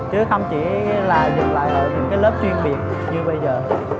chứ không chỉ là dùng lại những cái lớp chuyên biệt như bây giờ